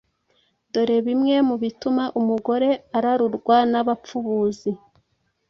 Dore bimwe mu bituma umugore ararurwa n’abapfubuzi